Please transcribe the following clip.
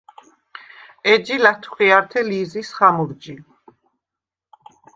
ეჯი ლათხვიართე ლი̄ზის ხამურჯი.